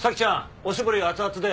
おしぼり熱々で。